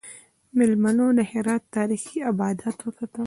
میلمنو د هرات تاریخي ابدات وکتل.